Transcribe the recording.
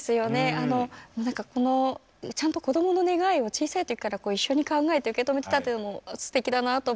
何かちゃんと子どもの願いを小さいときから一緒に考えて受け止めてたというのもすてきだなと思って。